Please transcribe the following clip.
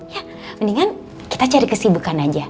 ya mendingan kita cari kesibukan aja